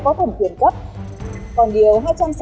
có thẩm quyền cấp còn điều